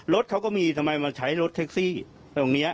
รถเขาก็มีทำไมมาใช้รถแท็กซี่ตรงนี้